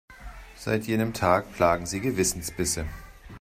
Seit jenem Tag plagen sie Gewissensbisse.